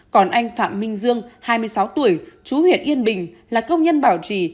còn anh phạm minh dương hai mươi sáu tuổi chú huyện yên bình là công nhân bảo trì